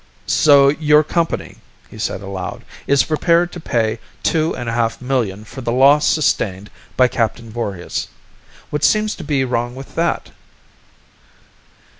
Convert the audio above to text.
"So your company," he said aloud, "is prepared to pay two and a half million for the loss sustained by Captain Voorhis. What seems to be wrong with that?"